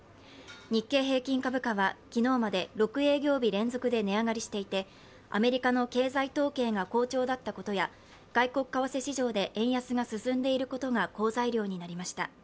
日経平均株価は昨日まで６営業日連続で値上がりしていてアメリカの経済統計が好調だったことや外国為替市場で円安が進んでいることが好材料となりました。